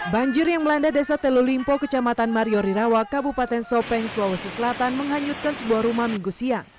banjir yang melanda desa telulimpo kecamatan mariori rawa kabupaten sopeng sulawesi selatan menghanyutkan sebuah rumah minggu siang